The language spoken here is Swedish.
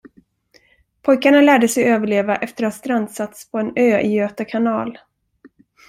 Pojkarna lärde sig överleva efter att ha strandsatts på en ö i Göta kanal.